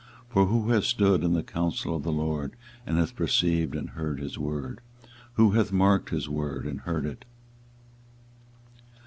24:023:018 For who hath stood in the counsel of the LORD, and hath perceived and heard his word? who hath marked his word, and heard it?